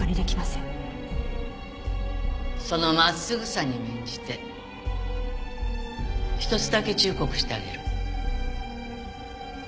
その真っすぐさに免じて一つだけ忠告してあげる。